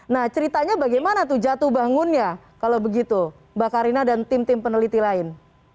nah ceritanya bagaimana tuh jatuh bangunnya kalau begitu mbak karina dan tim tim peneliti lain